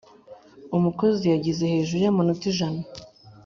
umukozi yagize hejuru y’amanota ijana